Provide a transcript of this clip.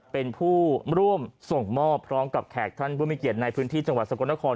เป็นผู้ร่วมส่งมอบพร้อมกับแขกท่านผู้มีเกียรติในพื้นที่จังหวัดสกลนคร